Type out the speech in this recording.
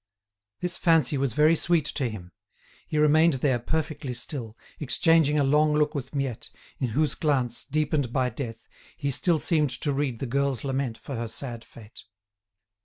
This fancy was very sweet to him. He remained there perfectly still, exchanging a long look with Miette, in whose glance, deepened by death, he still seemed to read the girl's lament for her sad fate.